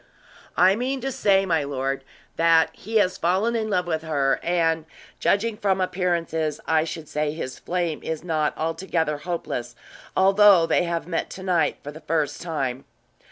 "I mean to say, my lord, that he has fallen in love with her; and, judging from appearances, I should say his flame is not altogether hopeless, although they have met to night for the first time."